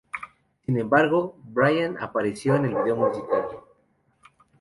Sin embargo, Brian apareció en el video musical.